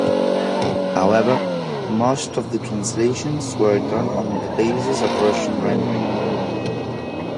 However, most of the translations were done on the basis of Russian rendering.